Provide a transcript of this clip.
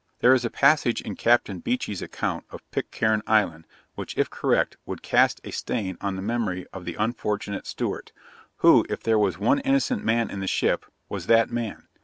There is a passage in Captain Beechey's account of Pitcairn Island, which, if correct, would cast a stain on the memory of the unfortunate Stewart who, if there was one innocent man in the ship, was that man.